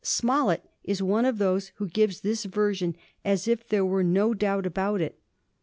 SmoUett is one of those who give this version as if there were no doubt about it.